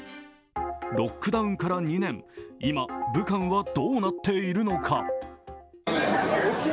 ロックダウンから２年、今、武漢はどうなっているのか？